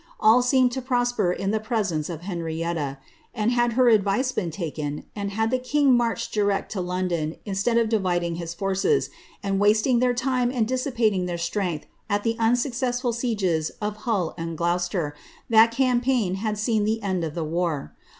All secmod to prosper in the prc r^nrc of Henrietta; and had her advice been taken, and had the king marched direct to London instead of dividing his forces, and wasting their time and dis ft paring their strength at the unsuccessful sieges of Hull and Gloucester, that campaign had seen the end of the war.